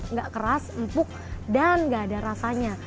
tidak keras empuk dan tidak ada rasanya